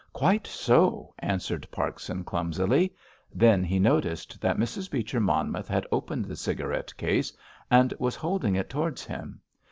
"Quite so," answered Parkson clumsily. Then he noticed that Mrs. Beecher Monmouth had opened the cigarette case and was holding it towards him.